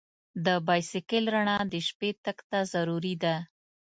د بایسکل رڼا د شپې تګ ته ضروري ده.